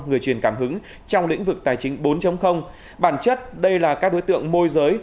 người truyền cảm hứng trong lĩnh vực tài chính bốn bản chất đây là các đối tượng môi giới